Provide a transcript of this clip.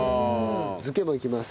漬けもいきます。